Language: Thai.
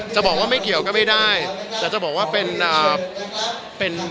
ใช่ครับใช่เค้าได้ไปด้วยไหมคะวันนั้น